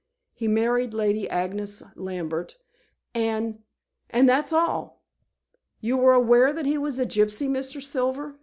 He married Lady Agnes Lambert, and and that's all." "You were aware that he was a gypsy, Mr. Silver?"